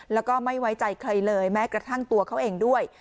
แล้วก็ไม่ไว้ใจใครเลยแม้กระทั่งตัวเขาเองด้วย